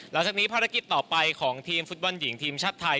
หลังจากนี้ภารกิจต่อไปของทีมฟุตบอลหญิงทีมชาติไทย